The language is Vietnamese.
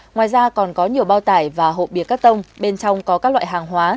ngoài ra còn có nhiều bao tải và hộp bìa cắt tông bên trong có các loại hàng hóa